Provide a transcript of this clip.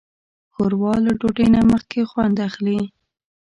ښوروا له ډوډۍ نه مخکې خوند اخلي.